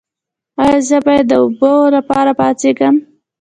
ایا زه باید د اوبو لپاره پاڅیږم؟